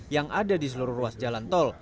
yang ada di seluruh ruas jalan tol